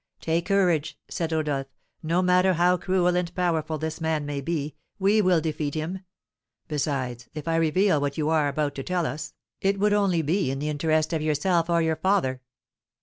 "Take courage," said Rodolph; "no matter how cruel and powerful this man may be, we will defeat him! Besides, if I reveal what you are about to tell us, it would only be in the interest of yourself or your father."